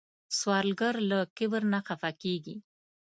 سوالګر له کبر نه خفه کېږي